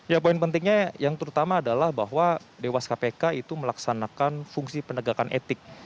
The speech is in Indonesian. ya poin pentingnya yang terutama adalah bahwa dewas kpk itu melaksanakan fungsi penegakan etik